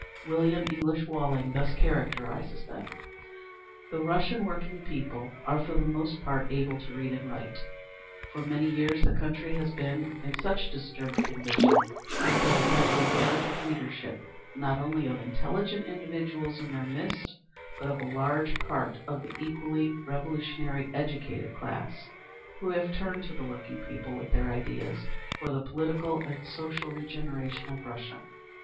William English Walling thus characterises them: The Russian working people are for the most part able to read and write. For many years the country has been in such a disturbed condition that they have had the advantage of leadership not only of intelligent individuals in their midst, but of a large part of the equally revolutionary educated class, who have turned to the working people with their ideas for the political and social regeneration of Russia….